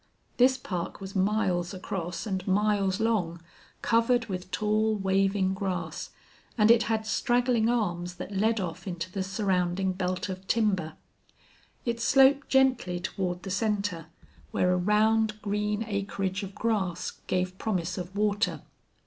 This park was miles across and miles long, covered with tall, waving grass, and it had straggling arms that led off into the surrounding belt of timber. It sloped gently toward the center, where a round, green acreage of grass gave promise of water.